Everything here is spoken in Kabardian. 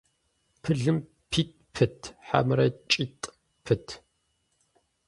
Пылым питӏ пыт, хьэмэрэ кӏитӏ пыт?